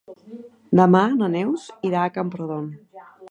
Demà na Neus irà a Camprodon.